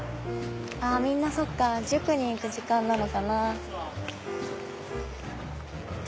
みんなそっか塾に行く時間なのかな。